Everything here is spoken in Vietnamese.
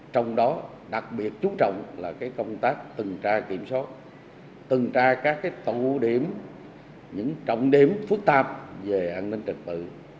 trong đó đặc biệt trú trọng là công tác tuần tra kiểm soát tuần tra các tổ điểm những trọng điểm phức tạp về an ninh trật tự